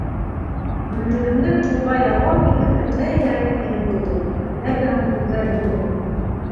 Гөлйөҙөмдөң уға яуап итеп әллә ниҙәр әйткеһе килде, ләкин ул һүҙҙәр юҡ ине.